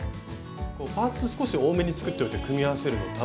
パーツ少し多めに作っておいて組み合わせるの楽しいですよね。